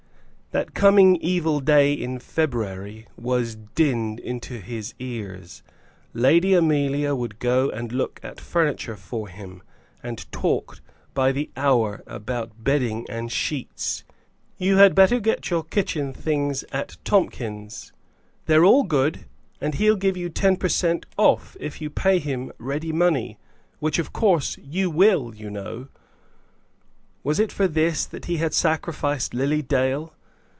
That coming evil day in February was dinned into his ears. Lady Amelia would go and look at furniture for him, and talked by the hour about bedding and sheets. "You had better get your kitchen things at Tomkins'. They're all good, and he'll give you ten per cent. off if you pay him ready money, which of course you will, you know!" Was it for this that he had sacrificed Lily Dale?